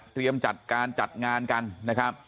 เตรียมจัดการจัดงานกันนะครับ